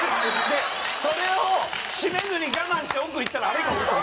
それを閉めずに我慢して奥行ったらあれがおる。